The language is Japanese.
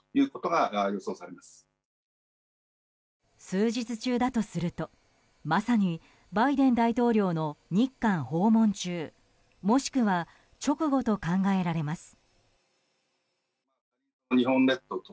数日中だとすると、まさにバイデン大統領の日韓訪問中もしくは直後と考えられます。